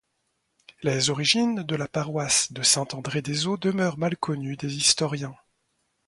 Les origines de la paroisse de Saint-André-des-Eaux demeurent mal connues des historiens.